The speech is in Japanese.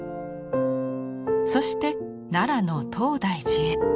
そして奈良の東大寺へ。